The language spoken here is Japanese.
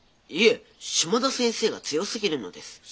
いえ島田先生が強すぎるのです。